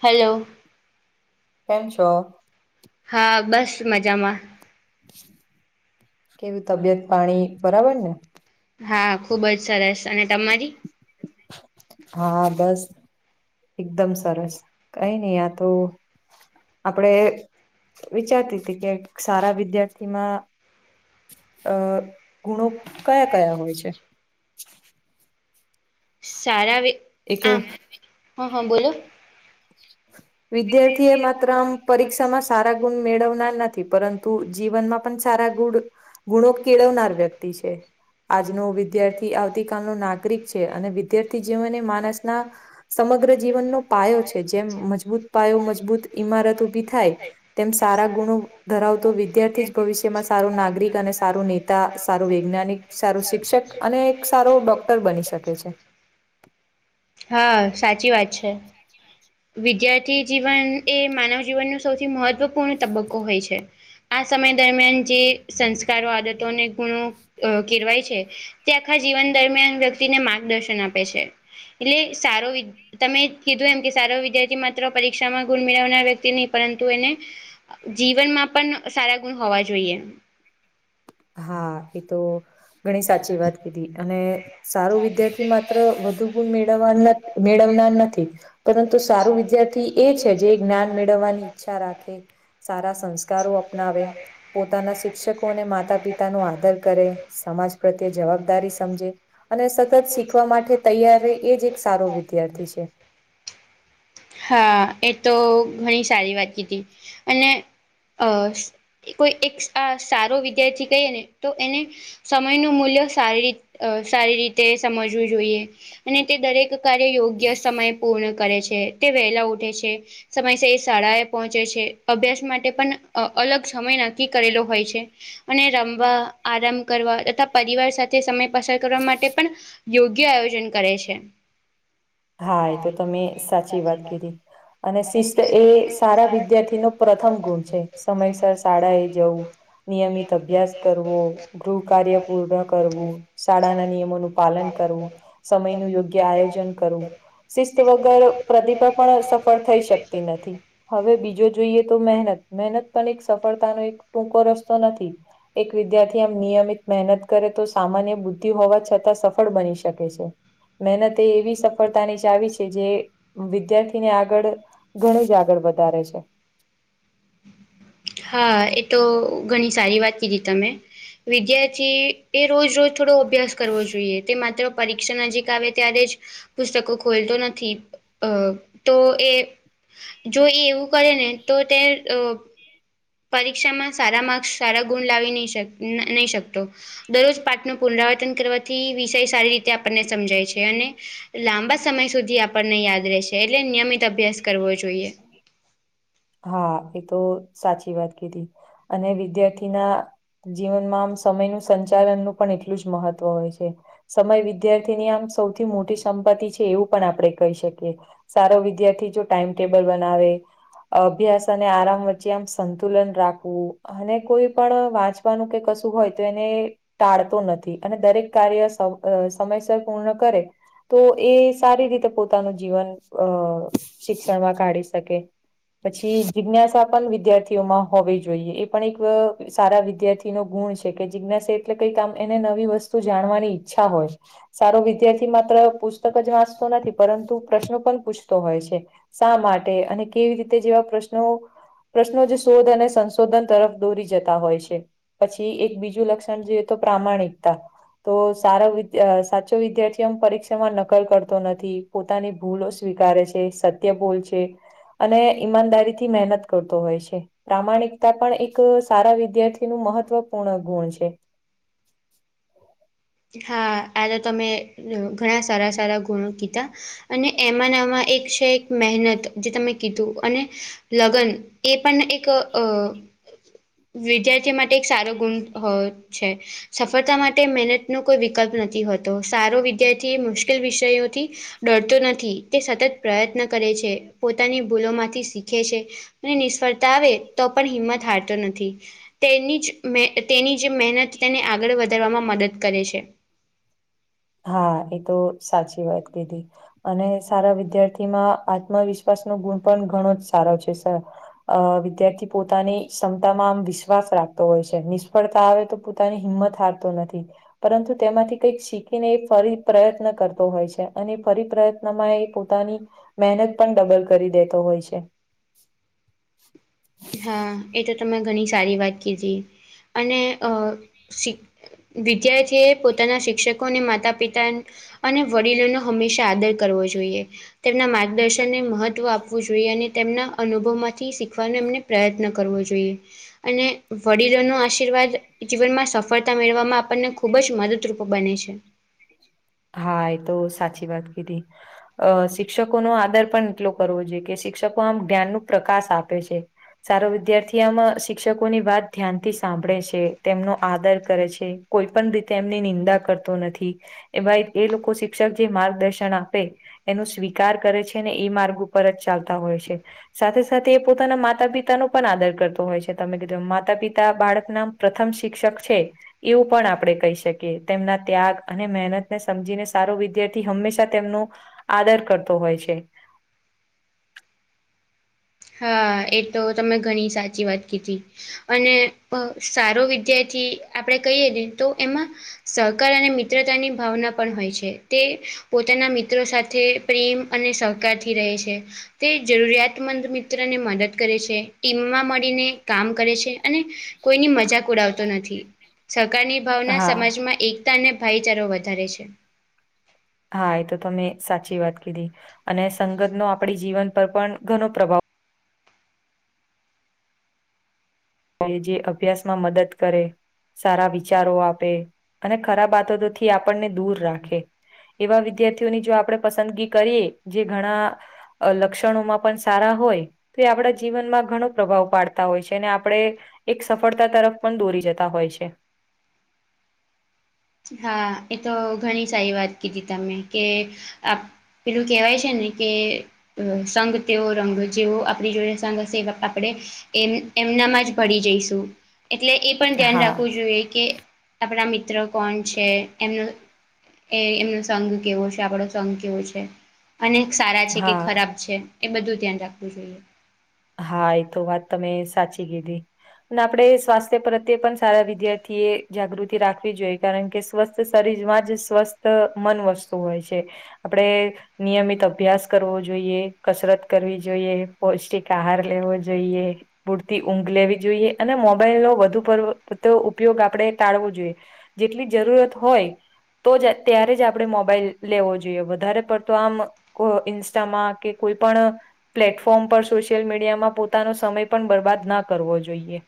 Hello. કેમ છો? હા બસ મજામાં. કેવીું તબિયત પાણી બરાબર ને. હા ખુબ જ સરસ અને તમારી. હા બસ એકદમ સરસ કઈ નહ આયા તો. આપણેે વિચારતી હતી કે સારા વિદ્યાર્થીમાં. અ ગુણો કયા કયા હોય છે. સારા એક આમ હા હા બોલો. વિદ્યાર્થી એ માત્ર આમ પરીક્ષામાં સારા ગુણ મેળવનાર નથી પરંતુ જીવનમાં. પણ સારા ગુ ગુણો કેળવનાર વ્યક્તિ છે. આજનો વિદ્યાર્થી આવતી કલ ન નાગરિક છે અને વિદ્યાર્થી જેવનને માણસના. સમગ્ર જીવનનો પાયો છે જેમ મજબૂત. પાયો મજબૂત ઈમારત ઉભી થાય તેમ સારા ગુણો ધરાવતો વિદ્યાર્થી જ. ભવિષ્યમાં સારો નાગરિક અને સારું નેતા સારું વૈજ્ઞાનિક સારો શિક્ષક અને એક સારો ડોક. ડોર બની શકે છે. હા સાચી વાત છે વિદ્યાર. થી જીવન એ માનવ જીવનનો સૌથી મહત્વપૂર્ણ તબક્કો હોય છે. આ સમય દરમિયાન જે સંસ્કારો આદતોને ગુણો કેરવાય છે. તે આખા જીવન દરમિયાન વ્યક્તિને માર્ગદર્શન આપે છે. એટલે સારો વિ તમે કીધું એમ કે સારો વિદ્યાર્થી. પરીક્ષામાં ગુણ મેળવનાર વ્યક્તિ નહીં પરંતુ એને. જીવનમાં પણ સારા ગુણ હોવા જોઈએ. હા એ તો. ઘણી સાચી વાત કીધી અને સારું વિદ્યાર્થી માત્ર વધુ ગુણ મેળવવા નથી. મેળવનાર નથી પરંતુ સારું વિદ્યાર્થી એ છે જે જ્ઞાન મેળવવાની ઈચ્છા રાખે. સારા સંસ્કારો અપનાવે પોતાના શિક્ષકો અને માતા. પિતા ન આદર કરે સમાજ પ્રત્યે જવાબદારી સમજે. અને સતત શીખવા માટે તૈયાર રહે એ જ એક સારો વિદ્યાર્થી છે. હા એ તો ઘણી સારી વાત કીધી અને અ. કોઈ એક આ સારો વિદ્યાર્થી કહીએ ને તો એને. સમયનું મૂલ્ય સારી રી સારી રીતે સમજવું જોઈએ અને તે દરેક. કાર્ય યોગ્ય સમય પૂર્ણ કરે છે તે વહેલા ઉઠે છે. સમયસ એ શાળા એ પહોંચે છે અભ્યાસ માટે પણ અલગ સમય નક્કી કરેલો હોય છે. અને રમવા આરામ કરવા તથા પરિવાર સાથે સમય પસાર કરવા માટે પણ યોગ્ય આયોજન કરે છે. હા એ તો તમે સાચી વાત કીધી અને શિસ્ત એ સારા વિદ્યાર્થીનો. પ્રથમ ગુણ છે સમયસર શાળા એ જવું નિયમિત અભ્યાસ કરવો. ગૃહ કાર્ય પૂર્ણ કરવું શાળાના નિયમોનું પાલન કરવું સમય ન યોગ્ય. આયોજન કરું શિસ્ત વગ પ્ર. પણ સફળ થઈ શકતી નથી હવે બીજો જોઈએ તો મહેનત. મહેનત પણ એક સફળતાનો એક ટૂંકો રસ્તો નથી. એક વિદ્યાર્થી આમ નિયમિત મહેનત કરે તો સામાન્ય બુદ્ધિ હોવા છતાં સફળ બની શકે છે. મહેનતતે એવી. સફળતાની ચાવી છે જે વિદ્યાર્થી ને આગળ ઘણું જ આગળ વધારે છે. હા એ તો ઘણી સારી વાત કીધી તમે વિદ્યાર્થી એ રોજ રોજ થોડો અભ્યાસ કરવો જોઈએ તે માત્ર પરીક્ષા નજીક આવે ત્યારે જ પુસ્તકો ખોલતો નથી અ તો એ જો એ એવું કરે ને તો તે પરીક્ષામાં સારા માર્ક્સ સારા ગુણ લાવી નહી નહી શકતો દરરોજ પાઠ નુ પુનરાવર્તન કરવાથી વિષય સારી રીતે આપણને સમજાય છે અને લાંબા સમય સુધી આપણને યાદ રહેશે એટલે નિયમિત અભ્યાસ કરવો જોઈએ. હા એ તો સાચી વાત કીધી અને વિદ્યાર્થીના જીવનમાં આમ સમયનું સંચાલનનું પણ એટલું જ મહત્વ હોય છે. સમય વિદ્યાર્થીની આમ સૌથી મોટી સંપત્તિ છે એવું પણ આપણે કહી શકીએ. સારો વિદ્યાર્થી જો ટાઈમટેબલ બનાવે અભ્યાસ અને આરામ વચ્ચે આમ સંતુલન રાખવું. અને કોઈ પણ વાંચવાનું કે કશું હોય તો એને ટાળતું નથી અને દરેક કાર્ય સમ સમયસર પૂર્ણ કરે. તો એ સારી રીતે પોતાનું જીવન અ શિક્ષણમાં કાઢી શકે. પછી જિજ્ઞાસા પણ વિદ્યાર્થીઓમાં હોવી જોઈએ એ પણ એક અ સારા વિદ્યાર્થી નો ગુણ છે કે જિજ્ઞાસ એટલે કઈક આમ એને નવી વસ્તુ જાણવાની ઈચ્છા હોય સારો વિદ્યાર્થી માત્ર પુસ્તક જ વાંચતો નથી પરંતુ પ્રશ્નો પણ પૂછતો હોય છે. શા માટે અને કેવી રીતે જેવા પ્રશ્નો પ્રશ્નો જ શોધ અને સંશોધન તરફ દોરી જતા હોય છે. પછી એક બીજું લક્ષણ જોઈએ તો પ્રામાણિકતા તો સારો વિદ સાચો વિદ્યાર્થી આમ પરીક્ષામાં નકલ કરતો નથી. પોતાની ભૂલો સ્વીકારે છે સત્ય બોલ છે અને ઈમાનદારી થી મહેનત કરતો હોય છે. પ્રામાણિકતા પણ એક સારા વિદ્યાર્થીનું મહત્વપૂર્ણ ગુણ છે. હા આ તો તમે ઘણા સારા સારા ગુણો કીધા અને એમાં ના માં એક છે મહેનત જે તમે કીધું અને લગ્ન એ પણ એક અ વિદ્યાર્થી માટે એક સારો ગુણ છે સફળતા માટે મહેનત ન કોઈ વિકલ્પ નથી હોતો સારો વિદ્યાર્થી એ મુશ્કેલ વિષયોથી ડરતો નથી તે સતત પ્રયત્ન કરે છે પોતાની ભૂલોમાંથી શીખે છે. નિષ્ફળતા આવે તો પણ હિંમત હારતો નથી તેની જ મે તેની જે મહેનત તેને આગળ વધારવામાં મદદ કરે છે. હા એ તો સાચી વાત કીધી. અને સારા વિદ્યાર્થી માં આત્મવિશ્વાસ નો ગુણ પણ ઘણો જ સારો છે સર. અ વિદ્યાર્થી પોતાની ક્ષમતામાં આમ વિશ્વાસ રાખતો હોય છે નિષ્ફળતા આવે તો એની હિંમત હારતો નથી પરંતુ તેમાંથી કઈક ને એ ફરી પ્રયત્ન કરતો હોય છે અને ફરી પ્રયત્ન માં એ પોતાની મહેનત પણ ડબલ કરી દેતો હોય છે. હા એ તો તમે ઘણી સારી વાત કીધી અને અ શી વિદ્યાર્થી એ પોતાના શિક્ષકોને માતા પિતા અને વડીલોનો હંમેશા આદર કરવો જોઈએ. તેમના માર્ગદર્શનને મહત્વ આપવું જોઈએ અને તેમના અનુભવ માંથી શીખવાનું એમને પ્રયત્ન કરવો જોઈએ. અને વડીલો નો આશીર્વાદ જીવનમાં સફળતા મેળવવામાં આપણને ખૂબ જ મદદરૂપ બને છે. હા એ તો સાચી વાત કીધી અ શિક્ષકો નો આદર પણ એટલો કરવો જોઈએ કે શિક્ષકો આમ જ્ઞાન નો પ્રકાશ આપે છે. સારો વિદ્યાર્થી આમાં શિક્ષકોની વાત ધ્યાનથી સાંભળે છે તેમનો આદર કરે છે. કોઈ પણ રીતે એમની નિંદા કરતો નથી એ ભાઈ એ લોકો શિક્ષક જે માર્ગદર્શન આપે એનું સ્વીકાર કરે છે ને એ માર્ગ ઉપર જ ચાલતા હોય છે. સાથે સાથે એ પોતાના માતા પિતાનો પણ આદર કરતો હોય છે તમે કીધો માતા પિતા બાળક ના પ્રથમ શિક્ષક છે એવું પણ આપણે કહી શકીએ તેમના ત્યાગ અને મહેનત ને સમજીને સારો વિદ્યાર્થી હંમેશા તેમનો આદર કરતો હોય છે. હા એ તો તમે ઘણી સાચી વાત કીધી. અને સારો વિદ્યાર્થી આપણેે કહીએ ને તો એમાં સહકાર અને મિત્રતાની ભાવના પણ હોય છે તે પોતાના મિત્રો સાથે પ્રેમ અને સહકાર થી રહે છે તે જરૂરિયાતમંદ મિત મત્રને મદદ કરે છે ટીમમાં મળીને કામ કરે છે અને કોઈની મજાક ઉડાવતો નથી સરકારની ભાવના હા સમાજમાં એકતા અને ભાઈચારો વધારે છે. હા એ તો ત મેં સાચી વાત કીધી અને સંગત નો આપડી જીવન પર પણ ઘણો પ્રભાવ જે અભ્યાસમાં મદદ કરે સારા વિચારો આપે અને ખરા વાતોથી આપણને દૂર રાખે એવા વિદ્યાર્થીઓની જો આપણેે પસંદગી કરીએ જે ઘણા લક્ષણોમાં પણ સારા હોય તો એ આપણા જીવનમાં ઘણો પ્રભાવ પાડતા હોય છે અને આપણે એક સફળતા તરફ પણ દોરી જતા હોય છે. હા એ તો ઘણી સારી વાત કીધી તમે કે પેલું કેવાય છે ને કે અ સંઘ તેવો રંગ જેવો આપણી જોડે સંઘ હશે એ આપણે એ એમનામાં જ ભળી જઈશું એટલે એ પણ ધ્યાન હા રાખવું જોઈએ કે આપણા મિત્ર કોણ છે એમનો એ એમનો સંઘ કેવો છે આપણો સંઘ કેવો છે. અને સારા છે કે હા ખરાબ છે એ બધું ધ્યાન રાખવું જોઈએ હા એ તો વાત તમે સાચી કીધી અને આપણે સ્વાસ્થ્ય પ્રત્યે પણ સારા વિદ્યાર્થીએ જાગૃતિ રાખવી જોઈએ કારણ કે સ્વસ્થ શરીર માં જ સ્વસ્થ મન વસ્તુ હોય છે. આપડે નિયમિત અભ્યાસ કરવો જોઈએ કસરત કરવી જોઈએ પૌષ્ટિક કહાર લેવો જોઈએ પૂરતી ઊંઘ લેવી જોઈએ અને મોબાઈલ નો વધુ પ ઉપયોગ આપણેે ટાળવો જોઈએ જેટલી જરૂરત હોય તો જ ત્યારે જ આપણે મોબાઈલ લેવો જોઈએ વધારે પડતો આમ ઇન્સ્ટામાં કે કોઈ પણ પ્લેટફોર્મ પર સો ોશિયલ મીડિયામાં પોતાનો સમય પણ બરબાદ ના કરવો જોઈએ.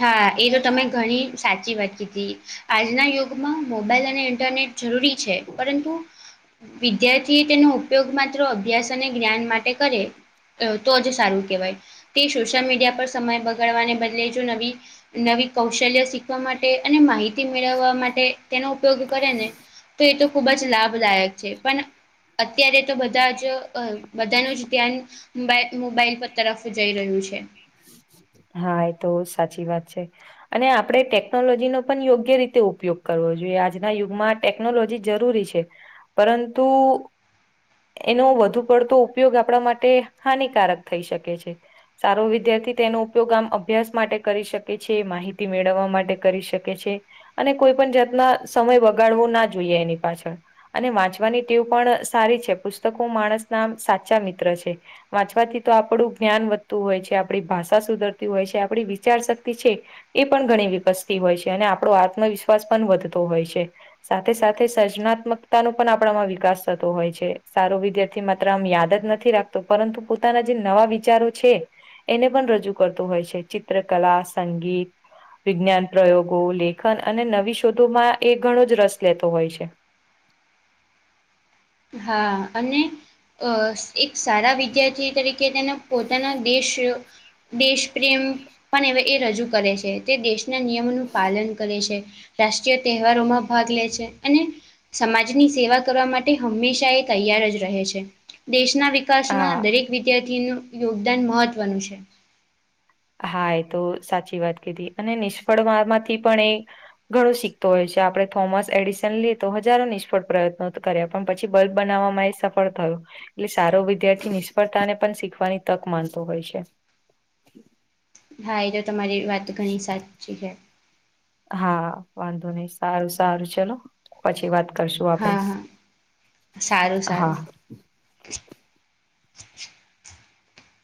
હા એ તો તમે ઘણી સાચી વાત કીધી આજના યુગમાં મોબાઈલ અને ઇન્ટરનેટ જરૂરી છે પરંતુ વિદ્યાર્થી એ તેનો ઉપયોગ માત્ર અભ્યાસ અને જ્ઞાન માટે કરે તો જ સારું કહેવાય તે સોશિયલ મીડિયા પર સમય બગાડવાને બદલે નવી કૌશલ્ય શીખવા માટે અને માહિતી મેળવવા માટે તેનો ઉપયોગ કરે ને તો એ તો ખૂબ જ લાભદાયક છે પણ અત્યારે તો બધા જ બધાનું જ ધ્યાન-' મોબાઈલ પર તરફ જઈ રહ્યું છે. હા એ તો સાચી વાત છે. અને આપણે ટેકનોલોજીનો પણ યોગ્ય રીતે ઉપયોગ કરવો જોઈએ આજના યુગમાં ટેકનોલોજી જરૂરી છે પરંતુ એનો વધુ પડતો ઉપયોગ આપણા માટે હાનિકારક થઈ શકે છે. સારો વિદ્યાર્થી તેનો ઉપયોગ આમ અભ્યાસ માટે કરી શકે છે માહિતી મેળવવા માટે કરી શકે છે. અને કોઈ પણ જાતના સમય વગાડવો ના જોઈએ એની પાછળ અને વાંચવાની ીવ પણ સારી છે પુસ્તકો માણસ નામ સાચા મિત્ર છે. વાંચવાથી તો આપણું જ્ઞાન વધતું હોય છે આપડી ભાષા સુધરતી હોય છે, આપડી વિચાર શક્તિ છે એ પણ ઘણી વિકસતી હોય છે અને આપણો આત્મવિશ્વાસ પણ વધતો હોય છે. સાથે સાથે સર્જનાત્મકતા ને પણ આપણામાં વિકાસ થતો હોય છે સારો વિદ્યાર માત્ર આમ યાદ જ નથી રાખતો પરંતુ પોતાના જે નવા વિચારો છે એને પણ રજૂ રજ કરતું હોય છે. ચિત્ર કલા, સંગીત વિજ્ઞાન, પ્રયોગો, લેખન અને નવી શોધોમાં એ ઘણો જ રસ લેતો હોય છે. હા અને અ એક સારા વિદ્યાર્થી તરીકે તેને પોતાના દેશ દેશ પ્રેમ પણ એ એ રજૂ કરે છે, તે દેશના નિયમોનું પાલન કરે છે. રાષ્ટ્રીય તહેવારોમાં ભાગ લે છે અને સમાજની સેવા કરવા માટે હંમેશા એ તૈયાર જ રહે છે દેશના હા વિકાસમાં દરેક વિદ્યાર્થી નું યોગદાન મહત્વનું છે. હા એ તો સાચી વાત કીધી અને નિષ્ફળ મા માંથી પણ એ ઘણો શીખતો હોય છે. આપણેે થોમસ એડિશન લઈએ તો હજારો નિષ્ફળ પ્રયત્નો કર્યા પણ પછી બલ્બ બનાવવામાં એ સફળ થયું. એટલે સારો વિદ્યાર્થી નિષ્ફળતા ને પણ શીખવાની તક માનતો હોય છે. હા એ તો તમારી વાત ઘણી સાચી છે. હા વાંધો નહી સારું સારું ચલો. પછી વાત કરશું આપડે, હા હા સારું હા. સારું